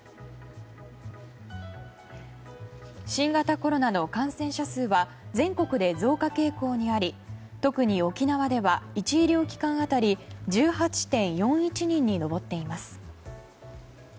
新型コロナの感染者数は全国で増加傾向にあり特に沖縄では１医療機関当たり１８．４１人に上っています。